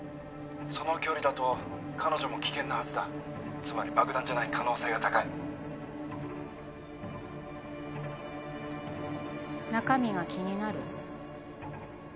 その距離だと彼女も危険なはずだつまり爆弾じゃない可能性が高い中身が気になる？